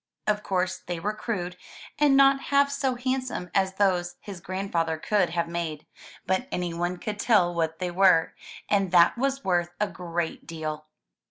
Of course they were crude, and not half so handsome as those his grandfather could have made; but anyone could tell what they were, and that was worth a great deal.